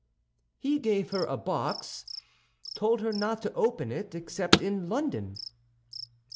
"He gave her a box, told her not to open it except in London."